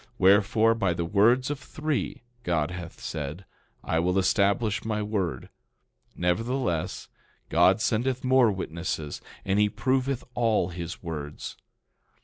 Wherefore, by the words of three, God hath said, I will establish my word. Nevertheless, God sendeth more witnesses, and he proveth all his words.